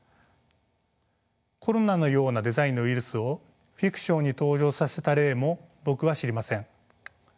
コロナのようなデザインのウイルスをフィクションに登場させた例も僕は知りません。